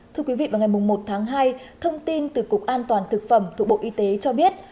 thưa quý vị vào ngày một tháng hai thông tin từ cục an toàn thực phẩm thuộc bộ y tế cho biết